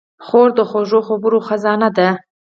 خور د خوږو خبرو خزانه ده.